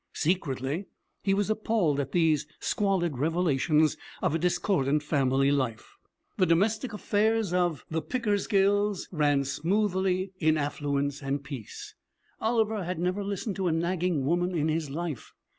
Secretly he was appalled at these squalid revelations of discordant family life. The domestic affairs of the Pickersgills ran smoothly, in affluence and peace. Oliver had never listened to a nagging woman in his life.